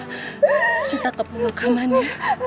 yaudah bella kita tetap menunggu keamanan ya